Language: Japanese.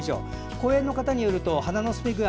公園の方によると花の咲き具合